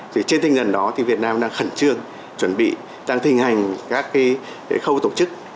thì trên tinh thần đó thì việt nam đang khẩn trương chuẩn bị đang thinh hành các cái khâu tổ chức